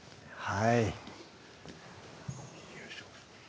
はい